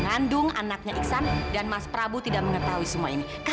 enggak enggak betul zaira